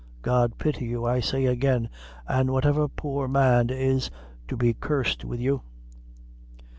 God pity you, I say again, an' whatever poor man is to be cursed wid you!"